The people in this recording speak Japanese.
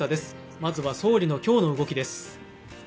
まずは総理の今日の動きです。